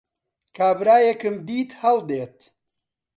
کابرایەکم دیت هەڵدێت